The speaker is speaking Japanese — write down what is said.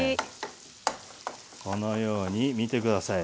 このように見て下さい。